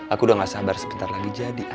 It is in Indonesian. aku udah gak sabar sebentar lagi jadi